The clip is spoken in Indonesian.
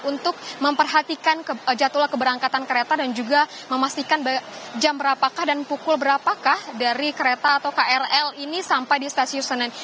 untuk memperhatikan jadwal keberangkatan kereta dan juga memastikan jam berapakah dan pukul berapakah dari kereta atau krl ini sampai di stasiun senen